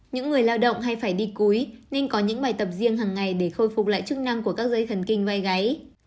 những người lao động hay phải đi cúi nên có những bài tập riêng hằng ngày để khôi phục lại chức năng của các giấy thần kinh vai gáy